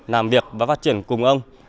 làm việc và phát triển cùng ông